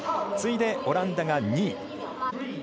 次いで、オランダが２位。